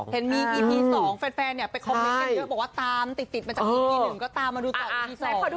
เห็นมีอีพี๒แฟนไปคอมเมนต์กันเยอะบอกว่าตามติดมาจากอีพีหนึ่งก็ตามมาดูต่ออีพีใช่ไหม